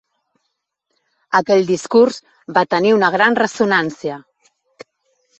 Aquell discurs va tenir una gran ressonància.